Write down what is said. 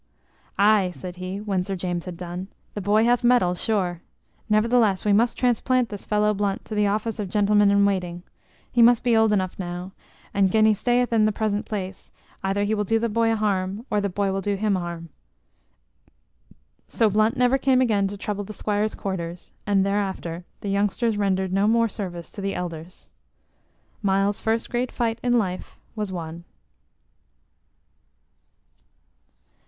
"Aye," said he, when Sir James had done, "the boy hath mettle, sure. Nevertheless, we must transplant this fellow Blunt to the office of gentleman in waiting. He must be old enough now, and gin he stayeth in his present place, either he will do the boy a harm, or the boy will do him a harm." So Blunt never came again to trouble the squires' quarters; and thereafter the youngsters rendered no more service to the elders. Myles's first great fight in life was won.